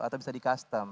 atau bisa di custom